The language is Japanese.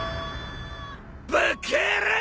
バカ野郎！